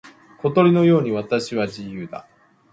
小鳥のように私は自由だ。